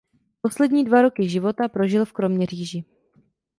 Poslední dva roky života prožil v Kroměříži.